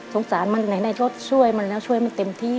สงสารมันไหนได้รถช่วยมันแล้วช่วยมันเต็มที่